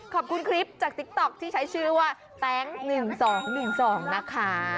ขอบคุณคลิปจากติ๊กต๊อกที่ใช้ชื่อว่าแต๊ง๑๒๑๒นะคะ